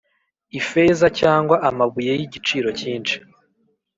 ifeza, cyangwa amabuye y'igiciro cyinshi,